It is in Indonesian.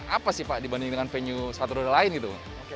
apa sih pak dibandingkan venue sepatu roda lain gitu